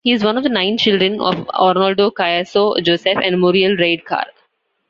He is one of nine children of Arnoldo Cayasso Joseph and Muriel Reid Carr.